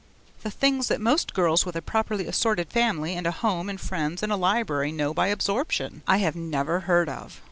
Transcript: The things that most girls with a properly assorted family and a home and friends and a library know by absorption, I have never heard of.